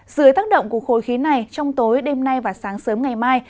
dưới tác động của khối khí này trong tối đêm nay và sáng sớm ngày mai